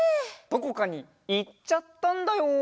どこかにいっちゃったんだよ。